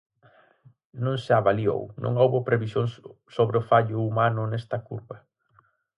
Non se avaliou, non houbo previsión sobre o fallo humano nesta curva?